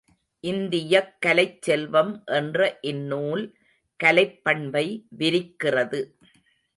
இந்தியக் கலைச் செல்வம் என்ற இந்நூல் கலைப் பண்பை விரிக்கிறது.